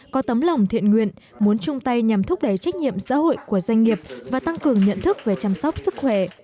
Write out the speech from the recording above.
có tấm lòng thiện nguyện muốn chung tay nhằm thúc đẩy trách nhiệm xã hội của doanh nghiệp và tăng cường nhận thức về chăm sóc sức khỏe